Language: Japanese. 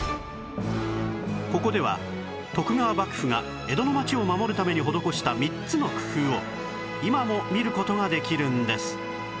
ここでは徳川幕府が江戸の町を守るために施した３つの工夫を今も見る事ができるんです